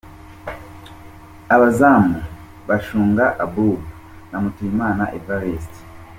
Abazamu: Bashunga Abouba na Mutuyimana Evariste.